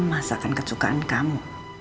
buat masakin masakan kesukaan kamu